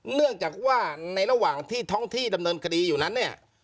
เนื่องจากว่าในระหว่างที่ท้องที่ดำเนินคดีอยู่นั้นเนี่ย